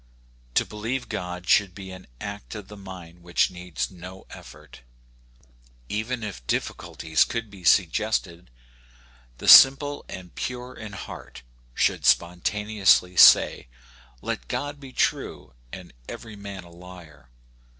To believe God should be an act of the mind which needs no effort. Even if difficulties could be suggested, the simple and pure in heart should spontaneously say, " Let God be true and every man a liar."